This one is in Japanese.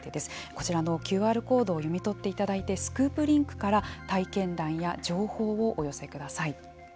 こちらのＱＲコードを読み取っていただいてスクープリンクから体験談や情報をお寄せください。